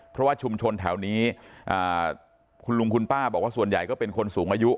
เพราะว่าชุมชนแถวนี้คุณลุงคุณป้าบอกว่าส่วนใหญ่ก็เป็นคนสูงอายุ